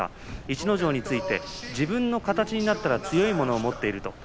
逸ノ城について自分の形になったら強いものを持っている。